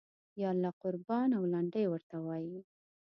یاله قربان او لنډۍ ورته وایي.